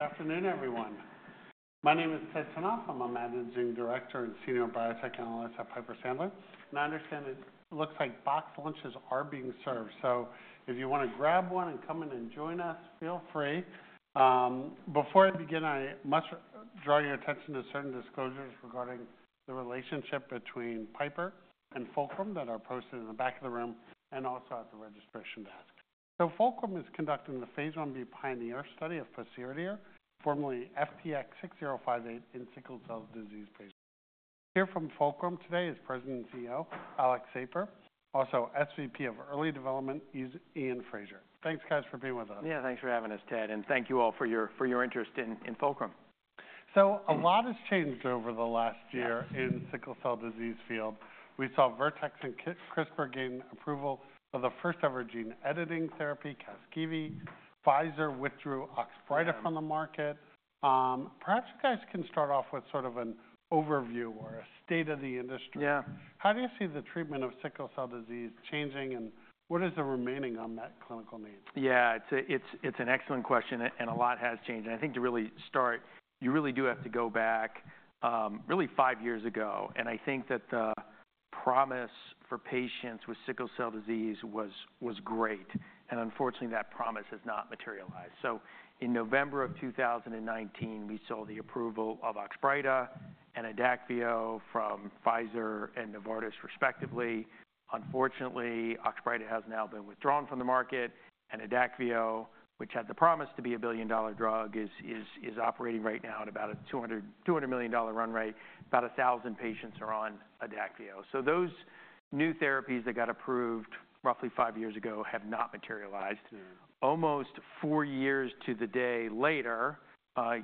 Good afternoon, everyone. My name is Ted Tenthoff. I'm a managing director and senior biotech analyst at Piper Sandler. And I understand it looks like box lunches are being served, so if you want to grab one and come in and join us, feel free. Before I begin, I must draw your attention to certain disclosures regarding the relationship between Piper and Fulcrum that are posted in the back of the room and also at the registration desk. So Fulcrum is conducting the phase 1-B PIONEER study of pociredir, formerly FTX-6058, in sickle cell disease patients. Here from Fulcrum today is President and CEO Alex Sapir, also SVP of Early Development, Iain Fraser. Thanks, guys, for being with us. Yeah, thanks for having us, Ted, and thank you all for your interest in Fulcrum. So a lot has changed over the last year in the sickle cell disease field. We saw Vertex and CRISPR gain approval for the first-ever gene editing therapy, CASGEVY. Pfizer withdrew OXBRYTA from the market. Perhaps you guys can start off with sort of an overview or a state of the industry. How do you see the treatment of sickle cell disease changing, and what is the remaining unmet clinical needs? Yeah, it's an excellent question, and a lot has changed, and I think to really start, you really do have to go back really five years ago, and I think that the promise for patients with sickle cell disease was great, and unfortunately, that promise has not materialized, so in November of 2019, we saw the approval of OXBRYTA and ADAKVEO from Pfizer and Novartis, respectively. Unfortunately, OXBRYTA has now been withdrawn from the market, and ADAKVEO, which had the promise to be a billion-dollar drug, is operating right now at about a $200 million run rate. About 1,000 patients are on ADAKVEO, so those new therapies that got approved roughly five years ago have not materialized. Almost four years to the day later,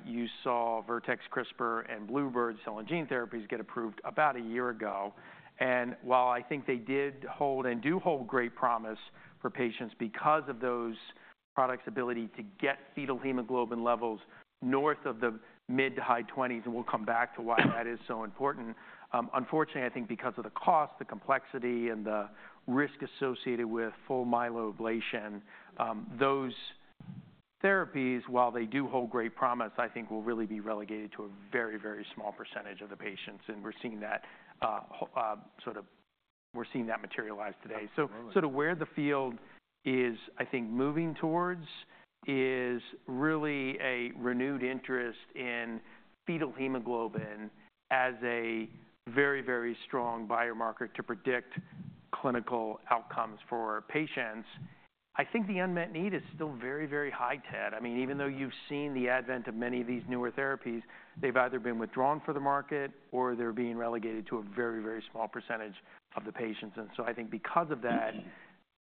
you saw Vertex, CRISPR, and Bluebird cell and gene therapies get approved about a year ago. And while I think they did hold and do hold great promise for patients because of those products' ability to get fetal hemoglobin levels north of the mid to high 20s, and we'll come back to why that is so important, unfortunately, I think because of the cost, the complexity, and the risk associated with full myeloablation, those therapies, while they do hold great promise, I think will really be relegated to a very, very small percentage of the patients. And we're seeing that sort of, we're seeing that materialize today. So, where the field is, I think, moving towards is really a renewed interest in fetal hemoglobin as a very, very strong biomarker to predict clinical outcomes for patients. I think the unmet need is still very, very high, Ted. I mean, even though you've seen the advent of many of these newer therapies, they've either been withdrawn for the market or they're being relegated to a very, very small percentage of the patients, and so I think because of that,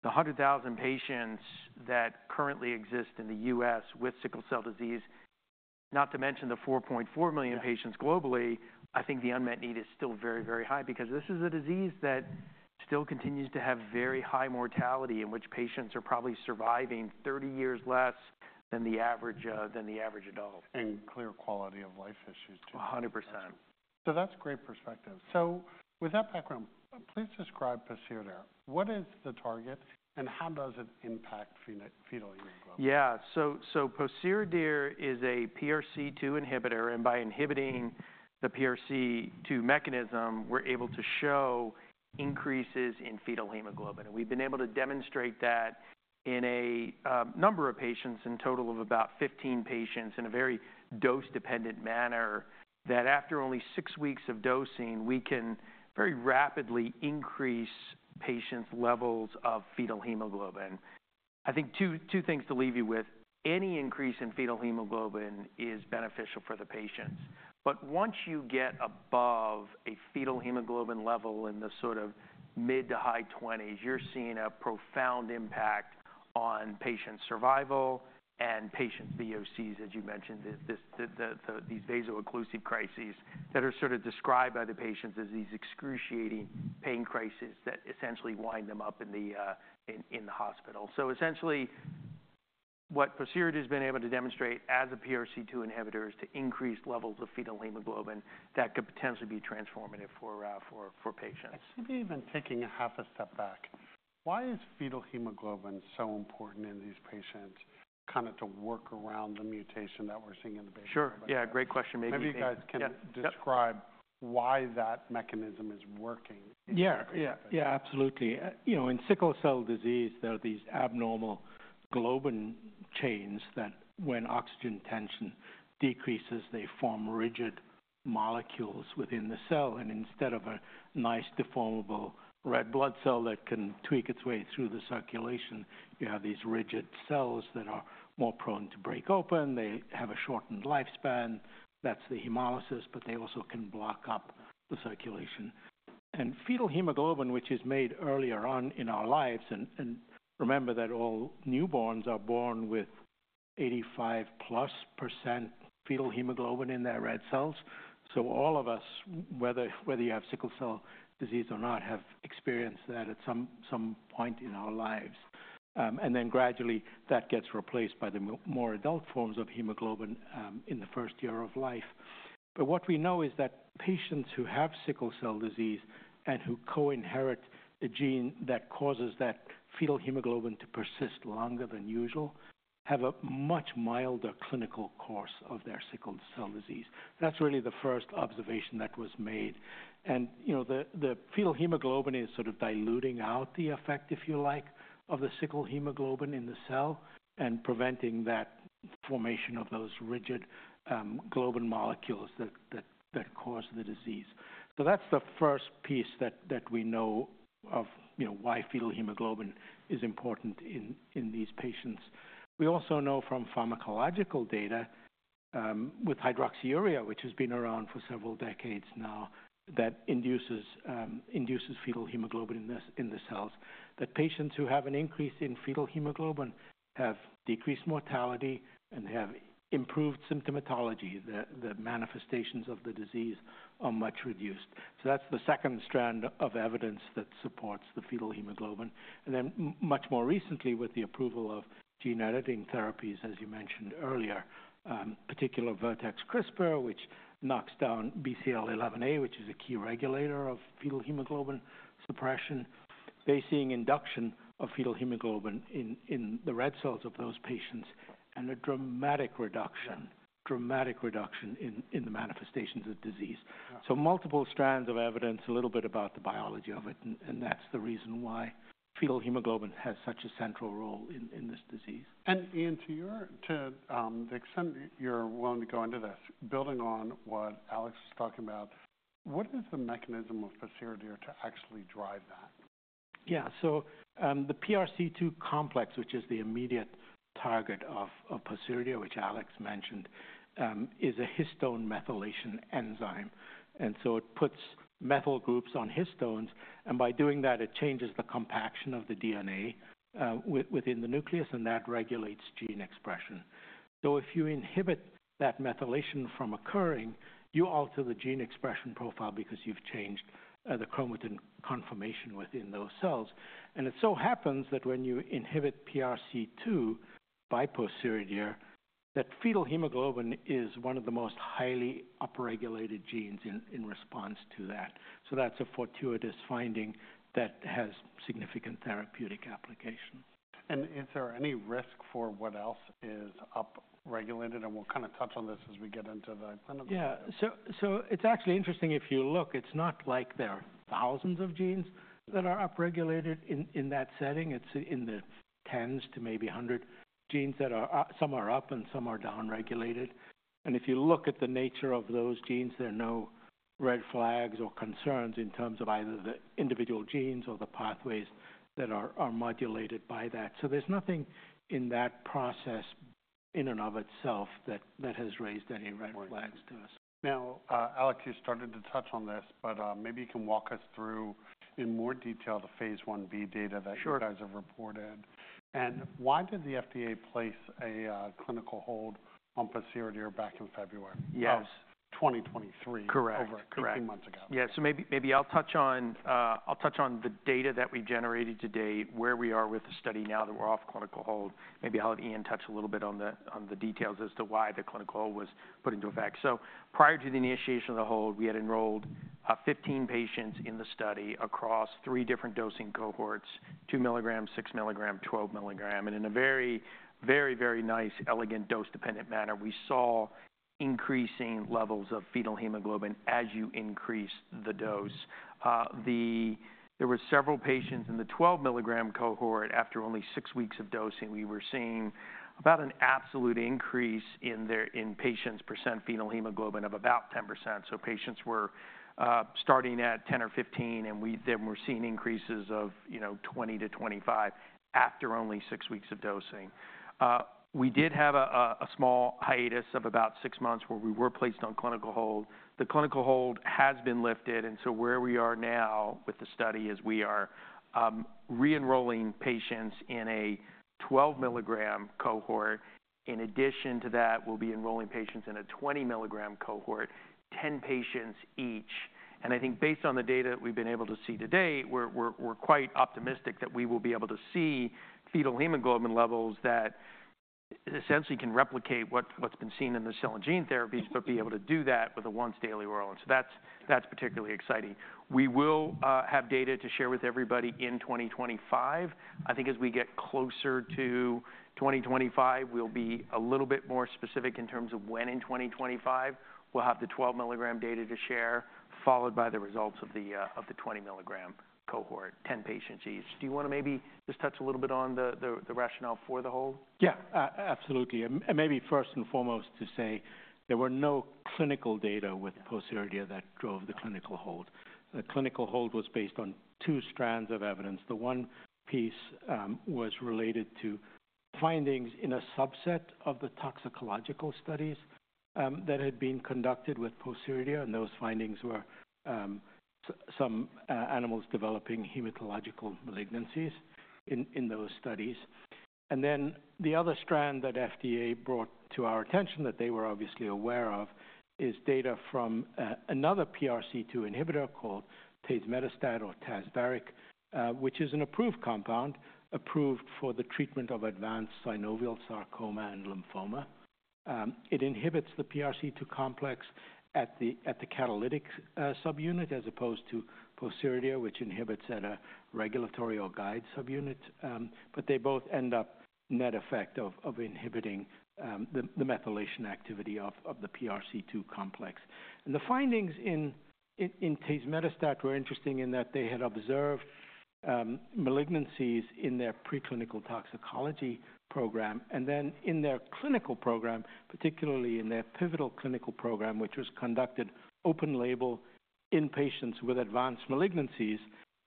the 100,000 patients that currently exist in the U.S. with sickle cell disease, not to mention the 4.4 million patients globally, I think the unmet need is still very, very high because this is a disease that still continues to have very high mortality, in which patients are probably surviving 30 years less than the average adult. Clear quality of life issues, too. 100%. So that's great perspective. So with that background, please describe pociredir. What is the target, and how does it impact fetal hemoglobin? Yeah, so pociredir is a PRC2 inhibitor, and by inhibiting the PRC2 mechanism, we're able to show increases in fetal hemoglobin, and we've been able to demonstrate that in a number of patients, in total of about 15 patients, in a very dose-dependent manner, that after only six weeks of dosing, we can very rapidly increase patients' levels of fetal hemoglobin. I think two things to leave you with: any increase in fetal hemoglobin is beneficial for the patients, but once you get above a fetal hemoglobin level in the sort of mid to high 20s, you're seeing a profound impact on patient survival and patient VOCs, as you mentioned, these vaso-occlusive crises that are sort of described by the patients as these excruciating pain crises that essentially wind them up in the hospital. Essentially, what pociredir has been able to demonstrate as a PRC2 inhibitor is to increase levels of fetal hemoglobin that could potentially be transformative for patients. Maybe even taking a half a step back, why is fetal hemoglobin so important in these patients kind of to work around the mutation that we're seeing in the [baby]? Sure, yeah, great question. Maybe you guys can describe why that mechanism is working. Yeah, yeah, absolutely. You know, in sickle cell disease, there are these abnormal globin chains that when oxygen tension decreases, they form rigid molecules within the cell. And instead of a nice deformable red blood cell that can [take] its way through the circulation, you have these rigid cells that are more prone to break open. They have a shortened lifespan. That's the hemolysis, but they also can block up the circulation. And fetal hemoglobin, which is made earlier on in our lives, and remember that all newborns are born with 85+% plus fetal hemoglobin in their red cells. So all of us, whether you have sickle cell disease or not, have experienced that at some point in our lives. And then gradually, that gets replaced by the more adult forms of hemoglobin in the first year of life. But what we know is that patients who have sickle cell disease and who co-inherit the gene that causes that fetal hemoglobin to persist longer than usual have a much milder clinical course of their sickle cell disease. That's really the first observation that was made. And you know, the fetal hemoglobin is sort of diluting out the effect, if you like, of the sickle hemoglobin in the cell and preventing that formation of those rigid globin molecules that cause the disease. So that's the first piece that we know of why fetal hemoglobin is important in these patients. We also know from pharmacological data with hydroxyurea, which has been around for several decades now, that induces fetal hemoglobin in the cells, that patients who have an increase in fetal hemoglobin have decreased mortality and have improved symptomatology. The manifestations of the disease are much reduced. That's the second strand of evidence that supports the fetal hemoglobin. Then much more recently, with the approval of gene editing therapies, as you mentioned earlier, particularly Vertex CRISPR, which knocks down BCL11A, which is a key regulator of fetal hemoglobin suppression, they're seeing induction of fetal hemoglobin in the red cells of those patients and a dramatic reduction in the manifestations of disease. Multiple strands of evidence, a little bit about the biology of it, and that's the reason why fetal hemoglobin has such a central role in this disease. Iain, to the extent you're willing to go into this, building on what Alex was talking about, what is the mechanism of pociredir to actually drive that? Yeah, so the PRC2 complex, which is the immediate target of pociredir, which Alex mentioned, is a histone methylation enzyme. And so it puts methyl groups on histones, and by doing that, it changes the compaction of the DNA within the nucleus, and that regulates gene expression. So if you inhibit that methylation from occurring, you alter the gene expression profile because you've changed the chromatin conformation within those cells. And it so happens that when you inhibit PRC2 by pociredir, that fetal hemoglobin is one of the most highly upregulated genes in response to that. So that's a fortuitous finding that has significant therapeutic application. And is there any risk for what else is upregulated? And we'll kind of touch on this as we get into the clinical. Yeah, so it's actually interesting if you look. It's not like there are thousands of genes that are upregulated in that setting. It's in the tens to maybe hundred genes that are some are up and some are downregulated. And if you look at the nature of those genes, there are no red flags or concerns in terms of either the individual genes or the pathways that are modulated by that. So there's nothing in that process in and of itself that has raised any red flags to us. Now, Alex, you started to touch on this, but maybe you can walk us through in more detail the phase I-B data that you guys have reported. And why did the FDA place a clinical hold on pociredir back in February of 2023, over a few months ago? Correct. Yeah, so maybe I'll touch on the data that we generated today, where we are with the study now that we're off clinical hold. Maybe I'll let Iain touch a little bit on the details as to why the clinical hold was put into effect, so prior to the initiation of the hold, we had enrolled 15 patients in the study across three different dosing cohorts: 2 mg, 6 mg, 12 mg. And in a very, very, very nice, elegant dose-dependent manner, we saw increasing levels of fetal hemoglobin as you increase the dose. There were several patients in the 12 mg cohort after only six weeks of dosing. We were seeing about an absolute increase in patients' percent fetal hemoglobin of about 10%, so patients were starting at 10% or 15%, and then we're seeing increases of 20%-25% after only six weeks of dosing. We did have a small hiatus of about six months where we were placed on clinical hold. The clinical hold has been lifted, and so where we are now with the study is we are re-enrolling patients in a 12 mg cohort. In addition to that, we'll be enrolling patients in a 20 mg cohort, 10 patients each, and I think based on the data that we've been able to see today, we're quite optimistic that we will be able to see fetal hemoglobin levels that essentially can replicate what's been seen in the cell and gene therapies, but be able to do that with a once-daily oral, and so that's particularly exciting. We will have data to share with everybody in 2025. I think as we get closer to 2025, we'll be a little bit more specific in terms of when in 2025 we'll have the 12 mg data to share, followed by the results of the 20 mg cohort, 10 patients each. Do you want to maybe just touch a little bit on the rationale for the hold? Yeah, absolutely. And maybe first and foremost to say there were no clinical data with pociredir that drove the clinical hold. The clinical hold was based on two strands of evidence. The one piece was related to findings in a subset of the toxicological studies that had been conducted with pociredir, and those findings were some animals developing hematological malignancies in those studies. And then the other strand that FDA brought to our attention that they were obviously aware of is data from another PRC2 inhibitor called tazemetastat or TAZVERIK, which is an approved compound approved for the treatment of advanced synovial sarcoma and lymphoma. It inhibits the PRC2 complex at the catalytic sub-unit as opposed to pociredir, which inhibits at a regulatory or guide sub-unit. But they both end up net effect of inhibiting the methylation activity of the PRC2 complex. And the findings in tazemetastat were interesting in that they had observed malignancies in their preclinical toxicology program. And then in their clinical program, particularly in their pivotal clinical program, which was conducted open label in patients with advanced malignancies,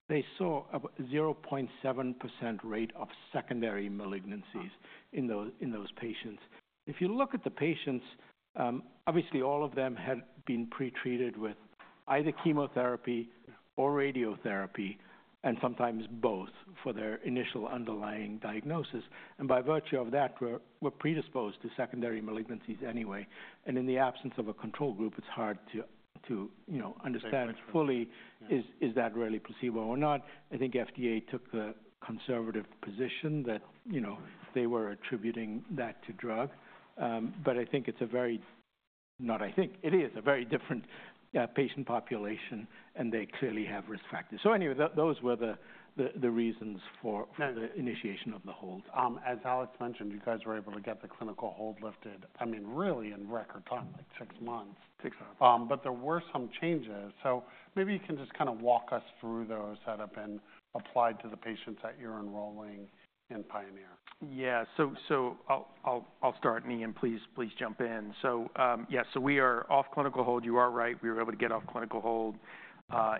they saw a 0.7% rate of secondary malignancies in those patients. If you look at the patients, obviously all of them had been pre-treated with either chemotherapy or radiotherapy, and sometimes both for their initial underlying diagnosis. And by virtue of that, were predisposed to secondary malignancies anyway. And in the absence of a control group, it's hard to understand fully is that really placebo or not. I think FDA took the conservative position that they were attributing that to drug. But I think it's a very, not I think, it is a very different patient population, and they clearly have risk factors. So anyway, those were the reasons for the initiation of the hold. As Alex mentioned, you guys were able to get the clinical hold lifted, I mean, really in record time, like six months. But there were some changes. So maybe you can just kind of walk us through those that have been applied to the patients that you're enrolling in PIONEER? Yeah, so I'll start, and Iain, please jump in. So yeah, so we are off clinical hold. You are right, we were able to get off clinical hold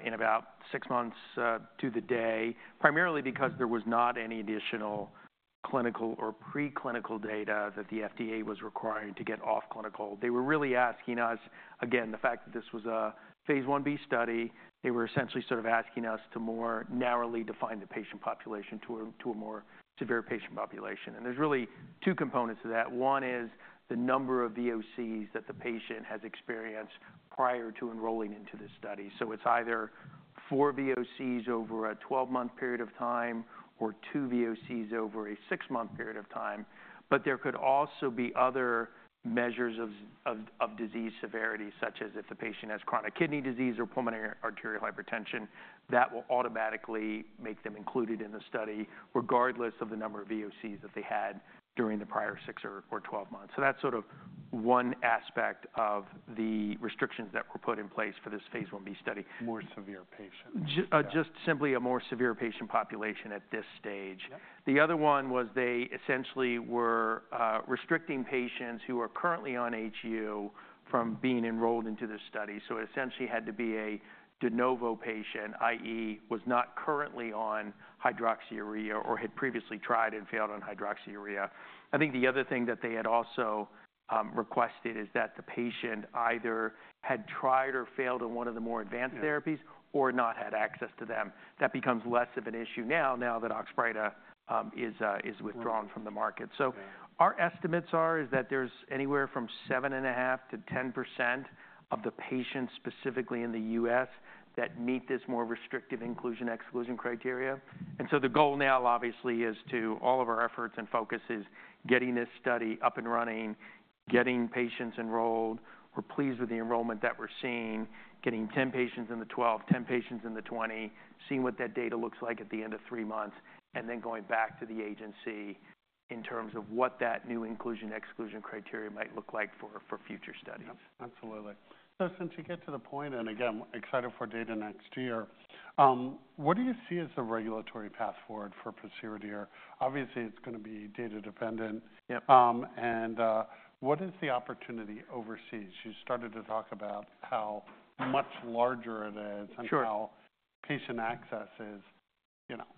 in about six months to the day, primarily because there was not any additional clinical or preclinical data that the FDA was requiring to get off clinical hold. They were really asking us, again, the fact that this was a phase I-B study, they were essentially sort of asking us to more narrowly define the patient population to a more severe patient population. And there's really two components to that. One is the number of VOCs that the patient has experienced prior to enrolling into this study. So it's either four VOCs over a 12-month period of time or two VOCs over a six-month period of time. But there could also be other measures of disease severity, such as if the patient has chronic kidney disease or pulmonary arterial hypertension, that will automatically make them included in the study, regardless of the number of VOCs that they had during the prior six or 12 months. So that's sort of one aspect of the restrictions that were put in place for this phase I-B study. More severe patients. Just simply a more severe patient population at this stage. The other one was they essentially were restricting patients who are currently on HU from being enrolled into this study. So it essentially had to be a de novo patient, i.e., was not currently on hydroxyurea or had previously tried and failed on hydroxyurea. I think the other thing that they had also requested is that the patient either had tried or failed on one of the more advanced therapies or not had access to them. That becomes less of an issue now, now that OXBRYTA is withdrawn from the market. So our estimates are that there's anywhere from 7.5%-10% of the patients specifically in the U.S. that meet this more restrictive inclusion-exclusion criteria, and so the goal now, obviously, is to all of our efforts and focus is getting this study up and running, getting patients enrolled. We're pleased with the enrollment that we're seeing, getting 10 patients in the 12 mg, 10 patients in the 20 mg, seeing what that data looks like at the end of three months, and then going back to the agency in terms of what that new inclusion-exclusion criteria might look like for future studies. Absolutely. So since you get to the point, and again, excited for data next year, what do you see as the regulatory path forward for pociredir? Obviously, it's going to be data dependent, and what is the opportunity overseas? You started to talk about how much larger it is and how patient access is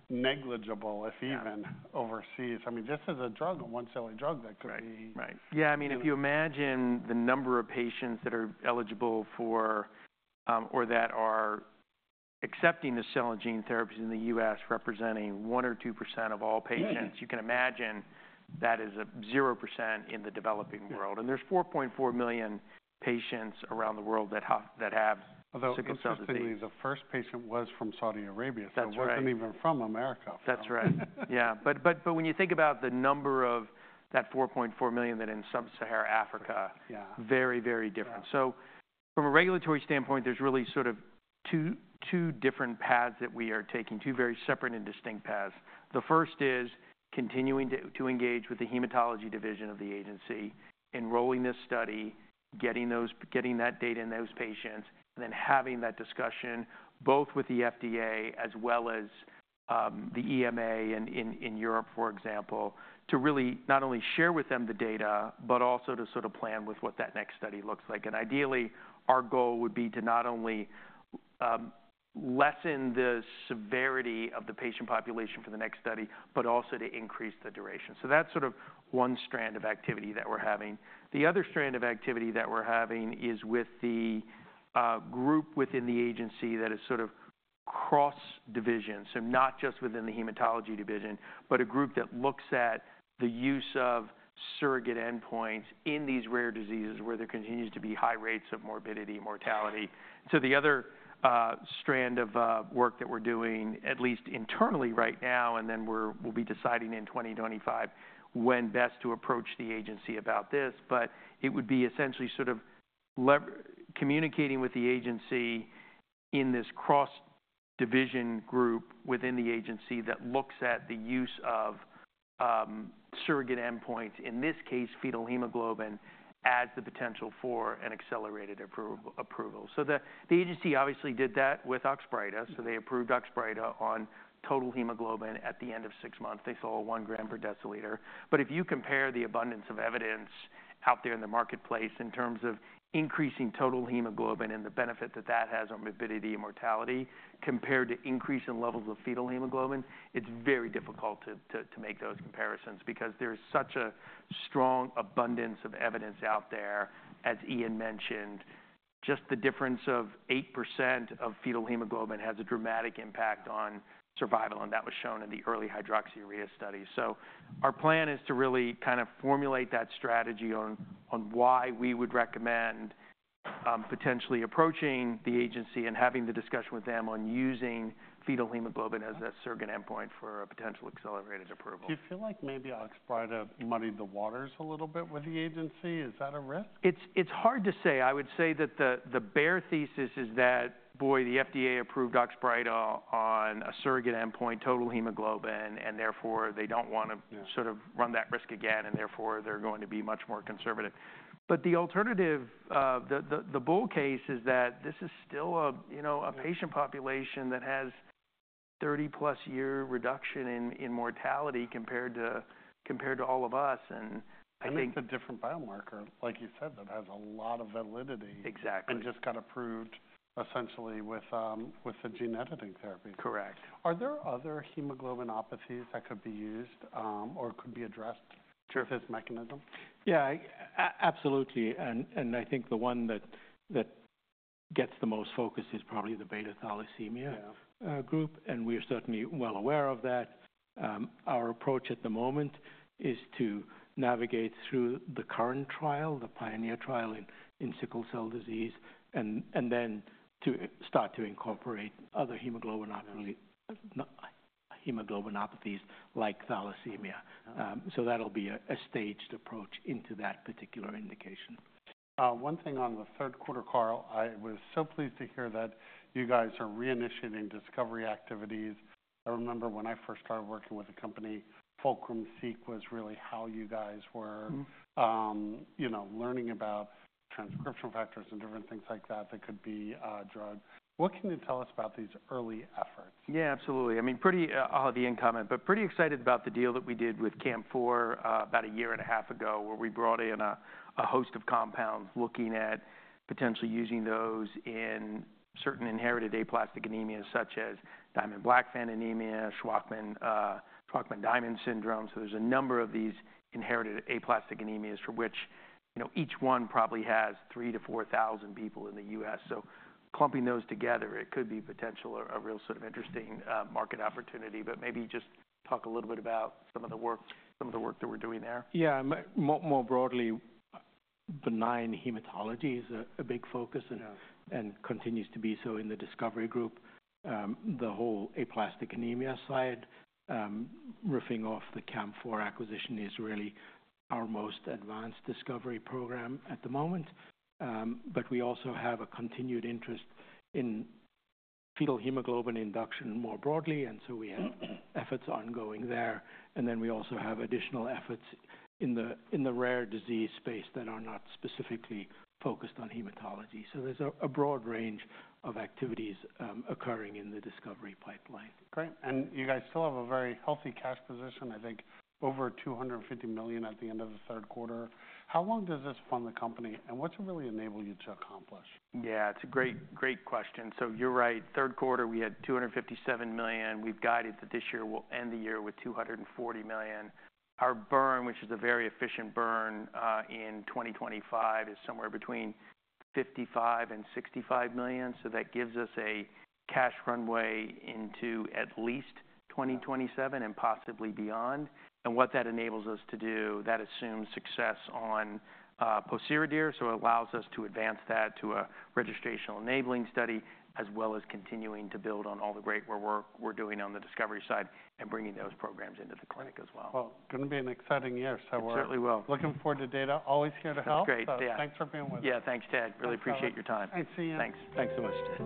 negligible if even overseas. I mean, just as a drug, a one-pill drug, that could be. Yeah, I mean, if you imagine the number of patients that are eligible for or that are accepting the cell and gene therapies in the U.S. representing 1% or 2% of all patients, you can imagine that is a 0% in the developing world, and there's 4.4 million patients around the world that have sickle cell disease. Although this study, the first patient was from Saudi Arabia, so it wasn't even from America. That's right. Yeah, but when you think about the number of that 4.4 million that are in sub-Saharan Africa, very, very different, so from a regulatory standpoint, there's really sort of two different paths that we are taking, two very separate and distinct paths. The first is continuing to engage with the hematology division of the agency, enrolling this study, getting that data in those patients, and then having that discussion both with the FDA as well as the EMA in Europe, for example, to really not only share with them the data, but also to sort of plan with what that next study looks like, and ideally, our goal would be to not only lessen the severity of the patient population for the next study, but also to increase the duration, so that's sort of one strand of activity that we're having. The other strand of activity that we're having is with the group within the agency that is sort of cross-division, so not just within the hematology division, but a group that looks at the use of surrogate endpoints in these rare diseases where there continues to be high rates of morbidity and mortality. So the other strand of work that we're doing, at least internally right now, and then we'll be deciding in 2025 when best to approach the agency about this, but it would be essentially sort of communicating with the agency in this cross-division group within the agency that looks at the use of surrogate endpoints, in this case, fetal hemoglobin as the potential for an accelerated approval. So the agency obviously did that with OXBRYTA. So they approved OXBRYTA on total hemoglobin at the end of six months. They saw 1 gram per deciliter. If you compare the abundance of evidence out there in the marketplace in terms of increasing total hemoglobin and the benefit that that has on morbidity and mortality compared to increasing levels of fetal hemoglobin, it's very difficult to make those comparisons because there's such a strong abundance of evidence out there, as Iain mentioned. Just the difference of 8% of fetal hemoglobin has a dramatic impact on survival, and that was shown in the early hydroxyurea study. Our plan is to really kind of formulate that strategy on why we would recommend potentially approaching the agency and having the discussion with them on using fetal hemoglobin as a surrogate endpoint for a potential accelerated approval. Do you feel like maybe OXBRYTA muddied the waters a little bit with the agency? Is that a risk? It's hard to say. I would say that the bare thesis is that, boy, the FDA approved OXBRYTA on a surrogate endpoint, total hemoglobin, and therefore they don't want to sort of run that risk again, and therefore they're going to be much more conservative. But the alternative, the bull case, is that this is still a patient population that has 30+ year reduction in mortality compared to all of us. And I think. It's a different biomarker, like you said, that has a lot of validity. Exactly. Just got approved essentially with the gene editing therapy. Correct. Are there other hemoglobinopathies that could be used or could be addressed with this mechanism? Yeah, absolutely. And I think the one that gets the most focus is probably the beta-thalassemia group, and we are certainly well aware of that. Our approach at the moment is to navigate through the current trial, the PIONEER trial in sickle cell disease, and then to start to incorporate other hemoglobinopathies like thalassemia. So that'll be a staged approach into that particular indication. One thing on the third quarter, call, I was so pleased to hear that you guys are reinitiating discovery activities. I remember when I first started working with the company, FulcrumSeek was really how you guys were learning about transcription factors and different things like that that could be a drug. What can you tell us about these early efforts? Yeah, absolutely. I mean, pretty oddly incoming, but pretty excited about the deal that we did with CAMP4 about a year and a half ago where we brought in a host of compounds looking at potentially using those in certain inherited aplastic anemias, such as Diamond-Blackfan anemia, Shwachman-Diamond syndrome. So there's a number of these inherited aplastic anemias for which each one probably has 3,000-4,000 people in the U.S. So clumping those together, it could be potentially a real sort of interesting market opportunity. But maybe just talk a little bit about some of the work that we're doing there. Yeah, more broadly, benign hematology is a big focus and continues to be so in the discovery group. The whole aplastic anemia side, [building] off the CAMP4 acquisition, is really our most advanced discovery program at the moment. But we also have a continued interest in fetal hemoglobin induction more broadly, and so we have efforts ongoing there, and then we also have additional efforts in the rare disease space that are not specifically focused on hematology, so there's a broad range of activities occurring in the discovery pipeline. Great. And you guys still have a very healthy cash position, I think over $250 million at the end of the third quarter. How long does this fund the company? And what's it really enabled you to accomplish? Yeah, it's a great question. So you're right. Third quarter, we had $257 million. We've guided that this year will end the year with $240 million. Our burn, which is a very efficient burn in 2025, is somewhere between $55 million and $65 million. So that gives us a cash runway into at least 2027 and possibly beyond. And what that enables us to do, that assumes success on pociredir, so it allows us to advance that to a registrational enabling study, as well as continuing to build on all the great work we're doing on the discovery side and bringing those programs into the clinic as well. It's going to be an exciting year. It certainly will. Looking forward to data. Always here to help. That's great. Yeah. Thanks for being with us. Yeah, thanks, Ted. Really appreciate your time. Thanks. See you. Thanks. Thanks so much.